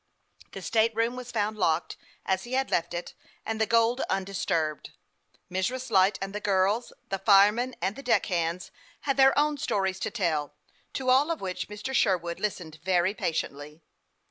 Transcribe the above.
The state room was found locked, as he had left it, and the gold undis turbed. Mrs. Light and the girls, the firemen and the deck hands, had their own stories to tell, to all of which Mr. Sherwood listened very patiently.